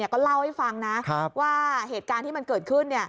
ก็เล่าให้ฟังนะว่าเหตุการณ์ที่มันเกิดขึ้น